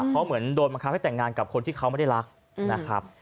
เพราะเหมือนโดนบังคับให้แต่งงานกับคนที่เขาไม่ได้รักนะครับ